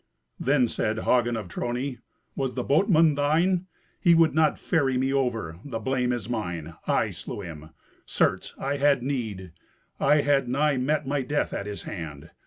Then said Hagen of Trony, "Was the boatman thine? He would not ferry me over. The blame is mine. I slew him. Certes, I had need. I had nigh met my death at his hand.